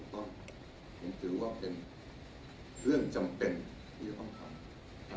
ผมถือว่าเป็นเรื่องจำเป็นที่ต้องทำ